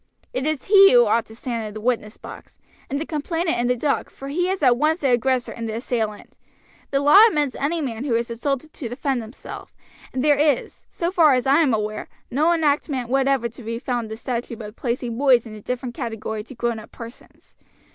"It is he who ought to stand in the witness box; and the complainant in the dock, for he is at once the aggressor and the assailant. The law admits any man who is assaulted to defend himself, and there is, so far as I am aware, no enactment whatever to be found in the statute book placing boys in a different category to grownup persons.